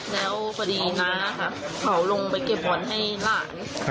แล้วพอดีน้าค่ะเขาลงไปเก็บบอลให้หลาน